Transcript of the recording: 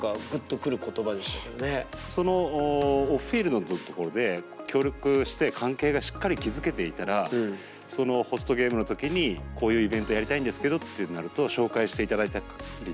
そのオフフィールドのところで協力して関係がしっかり築けていたらホストゲームの時にこういうイベントやりたいんですけどってなると紹介して頂いたりとか。